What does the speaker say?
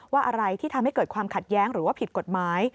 อะไรที่ทำให้เกิดความขัดแย้งหรือว่าผิดกฎหมาย